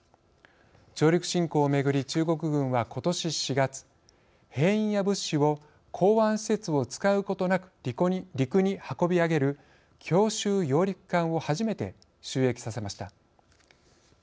上陸侵攻をめぐり、中国軍はことし４月、兵員や物資を港湾施設を使うことなく陸に運び上げる強襲揚陸艦を初めて就役させました。